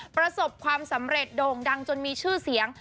ประสบความสำเร็จโด่งดังจนมีชื่อเสียง